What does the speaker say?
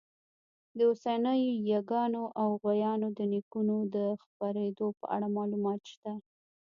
د اوسنیو ییږانو او غویانو د نیکونو د خپرېدو په اړه معلومات شته.